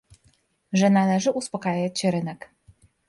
Że należy uspokajać rynek